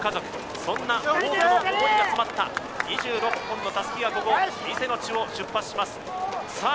そんな多くの思いが詰まった２６本の襷がここ伊勢の地を出発しますさあ